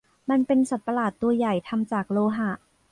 มันเป็นสัตว์ประหลาดตัวใหญ่ทำจากโลหะ